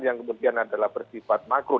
yang kemudian adalah persifat makroon